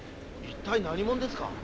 一体何者ですか？